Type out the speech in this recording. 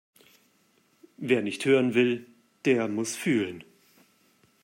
Wer nicht hören will, der muss fühlen.